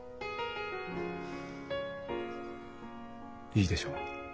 いいでしょう。